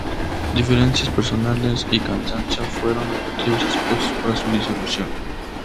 Diferencias personales y cansancio fueron los motivos expuestos para su disolución.